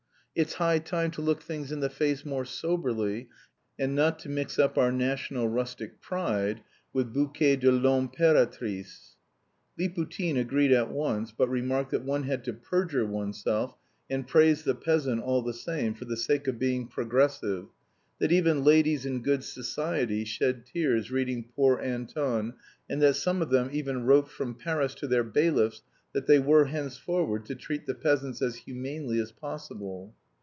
It's high time to look things in the face more soberly, and not to mix up our national rustic pitch with bouquet de l'Impératrice." Liputin agreed at once, but remarked that one had to perjure oneself and praise the peasant all the same for the sake of being progressive, that even ladies in good society shed tears reading "Poor Anton," and that some of them even wrote from Paris to their bailiffs that they were, henceforward, to treat the peasants as humanely as possible.